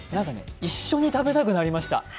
一緒に食べたくなりました。